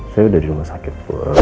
saya udah di rumah sakit